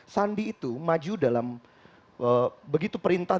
sandi itu maju dalam begitu perintah